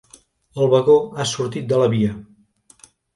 El vagó ha sortit de la via.